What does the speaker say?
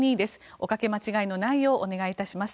おかけ間違いのないようお願いいたします。